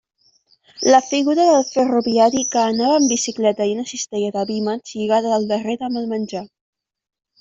La figura del ferroviari, que anava en bicicleta i una cistella de vímets lligada al darrere amb el menjar.